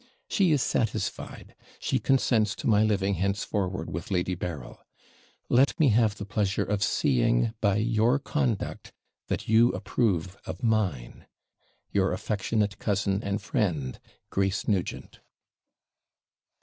She is satisfied she consents to my living henceforward with Lady Berryl. Let me have the pleasure of seeing, by your conduct, that you approve of mine. Your affectionate cousin and friend, GRACE NUGENT.